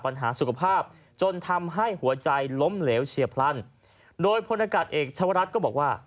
ปัญหาสุขภาพจนทำให้หัวใจล้มเหลวเฉียบพลันโดยพลอากาศเอกชาวรัฐก็บอกว่า